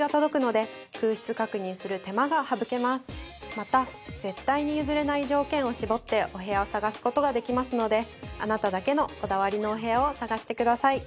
また絶対にゆずれない条件を絞ってお部屋を探すことができますのであなただけのこだわりのお部屋を探してください。